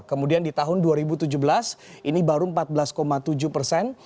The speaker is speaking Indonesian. kemudian di tahun dua ribu tujuh belas ini baru empat belas tujuh persen